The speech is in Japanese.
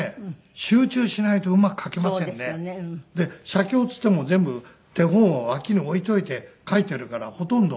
写経っつっても全部手本を脇に置いておいて書いてるからほとんど。